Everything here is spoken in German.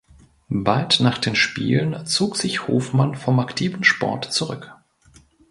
Bald nach den Spielen zog sich Hofmann vom aktiven Sport zurück.